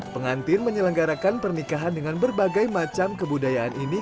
pengantin menyelenggarakan pernikahan dengan berbagai macam kebudayaan ini